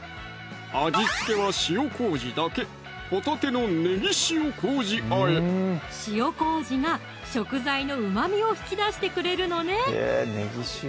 味付けは塩麹だけ塩麹が食材のうまみを引き出してくれるのね